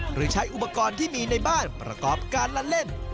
หรือใช้อุปกรณ์ที่มีในบ้านประกอบการละเล่น